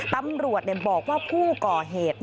ตำรวจบอกว่าผู้ก่อเหตุ